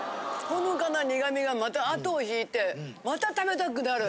ほのかな苦味がまた後を引いてまた食べたくなる。